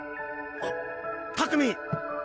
あっ拓海！